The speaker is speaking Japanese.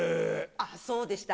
あっ、そうでした。